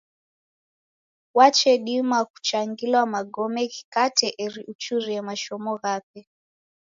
Wachedima kuchangilwa magome ghikate eri uchurie mashomo ghape.